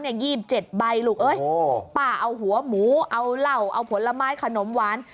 ๒๗ใบลูกเอ้ยป้าเอาหัวหมูเอาเหล้าเอาผลไม้ขนมหวาน